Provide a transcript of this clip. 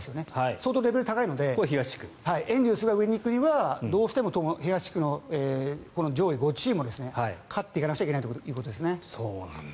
相当、レベルが高いのでエンゼルスが上に行くにはどうしても東地区の上位５チームに勝っていかなくちゃいけないということですね。